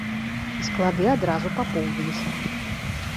І склады адразу папоўніліся!